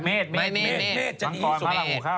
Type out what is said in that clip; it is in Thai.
เมฆเมฆจะดีที่สุด